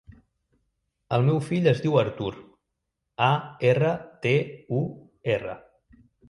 El meu fill es diu Artur: a, erra, te, u, erra.